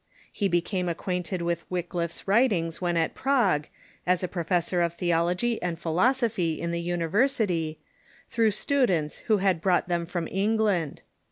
He became acquainted Mov^ements ^^^^^^ Wycliffe's Avritings when at Prague, as a pro fessor of theology and philosophy in the L^niversity, through students who had brought them from England.